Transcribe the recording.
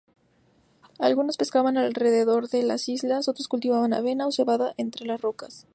Algunos pescaban alrededor de las islas; otros cultivaban avena o cebada entre las rocas.